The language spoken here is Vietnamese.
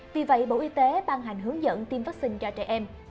vì vậy bộ y tế ban hành hướng dẫn tiêm vaccine cho trẻ em